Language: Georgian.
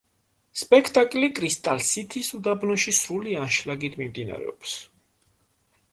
სპექტაკლი კრისტალ-სითის უბანში სრული ანშლაგით მიმდინარეობს.